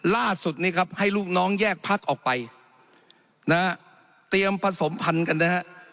ล่าสุดนี้ครับให้ลูกน้องแยกพักออกไปนะฮะเตรียมผสมพันธุ์กันนะฮะ